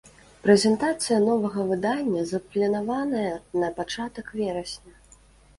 Прэзентацыя новага выдання запланаваная на пачатак верасня!